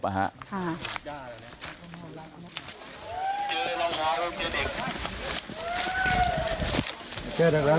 พ่อเขาใช่ไหมครับ